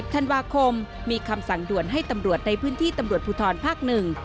ธันวาคมมีคำสั่งด่วนให้ตำรวจในพื้นที่ตำรวจภูทรภาคหนึ่ง